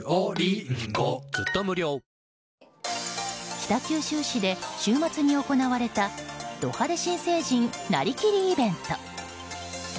北九州市で週末に行われたド派手新成人なりきりイベント。